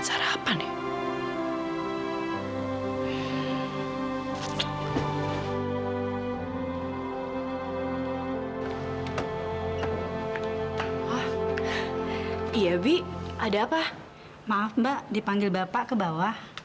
sudah selesai semua